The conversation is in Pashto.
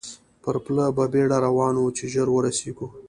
پر پله په بېړه روان وو، چې ژر ورسېږو.